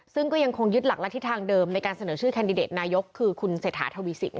ซึ่งก็ยังคงยึดหลักและทิศทางเดิมในการเสนอชื่อแคนดิเดตนายกคือคุณเศรษฐาทวีสิน